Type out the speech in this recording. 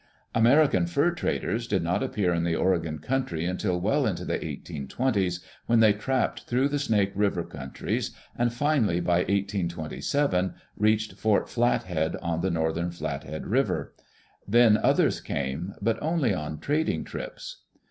American fur traders did not appear in the Oregon country until well into the 1820s, when they trapped through the Snake River countries, and finally, by 1827, reached Fort Flathead on the north em Flathead River. Then others came, but only on trading trips.